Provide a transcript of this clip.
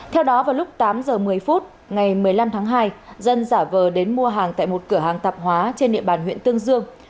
theo đó vào lúc tám giờ một mươi phút ngày một mươi năm tháng hai dân giả vờ đến mua hàng tại một cửa hàng tạp hóa trên địa bàn huyện tương dương